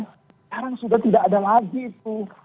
sekarang sudah tidak ada lagi itu